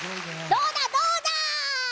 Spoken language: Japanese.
どうだどうだ！